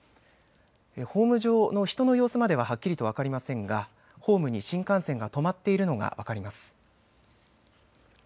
ホーム上の人の様子までははっきりとは分かりませんがホームに新幹線が止まっているのが分かります。